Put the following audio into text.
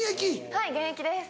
はい現役です。